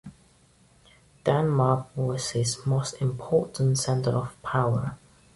Denmark was his most important center of power.